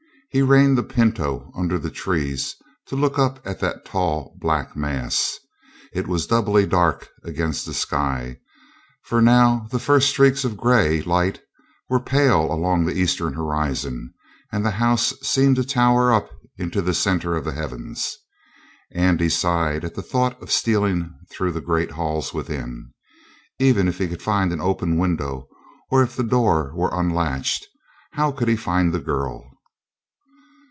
He reined the pinto under the trees to look up at that tall, black mass. It was doubly dark against the sky, for now the first streaks of gray light were pale along the eastern horizon, and the house seemed to tower up into the center of the heavens. Andy sighed at the thought of stealing through the great halls within. Even if he could find an open window, or if the door were unlatched, how could he find the girl?